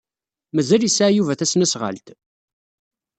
Mazal yesɛa Yuba tasnasɣalt?